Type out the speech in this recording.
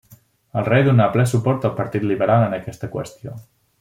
El rei donà ple suport al Partit Liberal en aquesta qüestió.